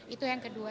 itu yang kedua